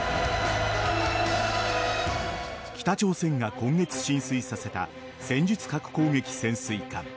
北朝鮮が今月進水させた戦術核攻撃潜水艦。